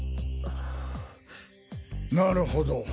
なるほど。